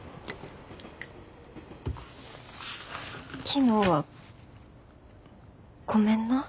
昨日はごめんな。